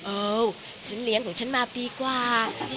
เออฉันเลี้ยงของฉันมาปีกว่า